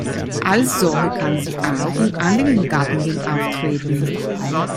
Als solche kann sie auch in anderen Gattungen auftreten.